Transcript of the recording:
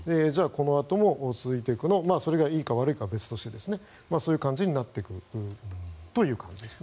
このあとも続いていくのそれがいいか悪いかは別としてそういう感じになっていくという感じですね。